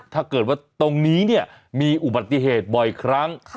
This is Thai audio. ถ้าเกิดว่าตรงนี้มีอุตบัติธภิกษ์บ่อยครั้ง